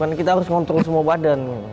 karena kita harus ngontrol semua badan